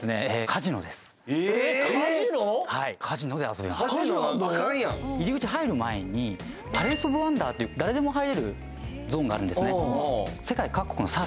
カジノはアカンやん入り口入る前にパレス・オブ・ワンダーっていう誰でも入れるゾーンがあるんですね